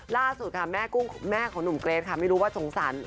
ล่าสุดค่ะแม่กุ้งแม่ของหนุ่มเกรทค่ะไม่รู้ว่าสงสาร